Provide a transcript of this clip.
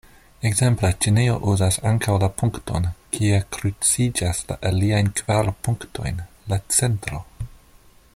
Ekzemple, Ĉinio uzas ankaŭ la punkton, kie kruciĝas la aliajn kvar punktojn: la centro.